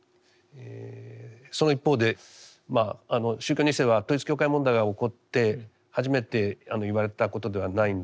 その一方で宗教２世は統一教会問題が起こって初めて言われたことではないんですがこの１０年くらいですね